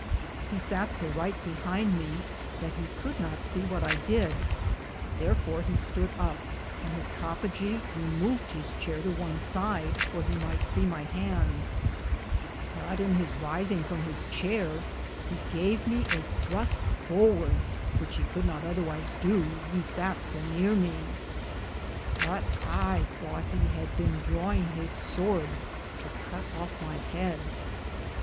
He satt so righte behinde me that he could not se what I did ; tharfore he stood up, and his Coppagaw removed his Chaire to one side, wher he myghte se my handes ; but, in his risinge from his chaire, he gave me a thruste forwardes, which he could not otherwyse dow, he satt so neare me ; but I thought he had bene drawinge his sorde to cut of my heade.